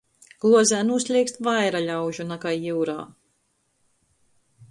Gluozē nūsleikst vaira ļaužu nakai jiurā.